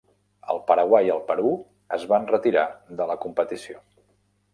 El Paraguai i el Perú es van retirar de la competició.